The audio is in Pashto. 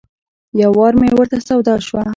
یو وار مې ورته سودا شوه.